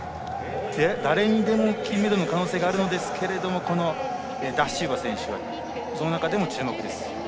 誰にでも金メダルの可能性はありますがこのダシウバ選手はその中でも注目です。